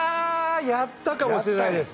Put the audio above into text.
やったかもしれないです